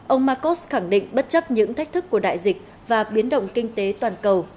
ông marcos khẳng định bất chấp những thách thức của đại dịch và biến động kinh tế toàn cầu